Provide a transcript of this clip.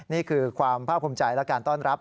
นี่คือความภาคภูมิใจและการต้อนรับ